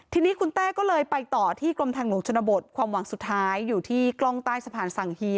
ทีนี้คุณเต้ก็เลยไปต่อที่กรมทางหลวงชนบทความหวังสุดท้ายอยู่ที่กล้องใต้สะพานสังฮี